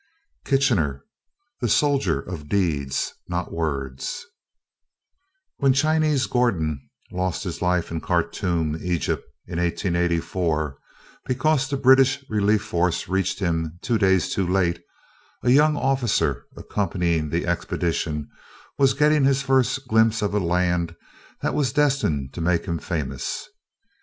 KITCHENER THE SOLDIER OF DEEDS NOT WORDS When Chinese Gordon lost his life in Khartoum, Egypt, in 1884, because the British relief force reached him two days too late, a young officer accompanying the expedition was getting his first glimpse of a land that was destined to make him famous.